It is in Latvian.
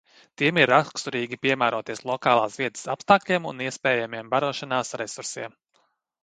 Tiem ir raksturīgi piemēroties lokālās vietas apstākļiem un iespējamiem barošanās resursiem.